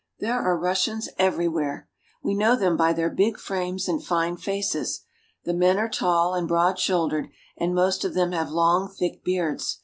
There are Russians everywhere. We know them by their big frames and fine faces. The men are tall and broad shouldered, and most of them have long, thick beards.